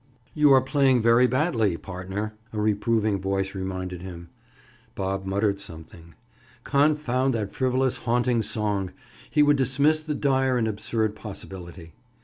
"You are playing very badly, partner," a reproving voice reminded him. Bob muttered something. Confound that frivolous haunting song! He would dismiss the dire and absurd possibility.